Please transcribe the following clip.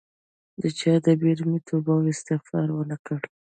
د چا د بیرې مې توبه او استغفار ونه کړ